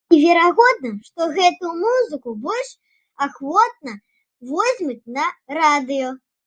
І верагодна, што гэтую музыку больш ахвотна возьмуць на радыё.